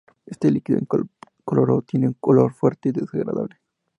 Este líquido incoloro tiene un olor fuerte y desagradable.